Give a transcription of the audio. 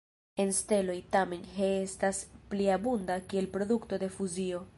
En steloj, tamen, He estas pli abunda, kiel produkto de fuzio.